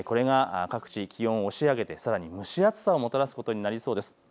これが各地、気温を押し上げてさらに蒸し暑さをもたらすことになりそうです。